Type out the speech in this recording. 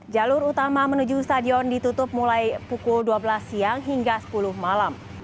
jalur utama menuju stadion ditutup mulai pukul dua belas siang hingga sepuluh malam